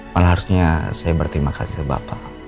malah harusnya saya berterima kasih sama bapak